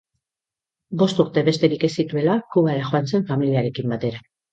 Bost urte besterik ez zituela, Kubara joan zen familiarekin batera.